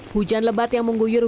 hujan lebat yang mengguyurkan